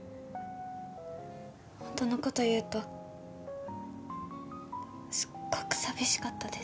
ホントのこと言うとすっごく寂しかったです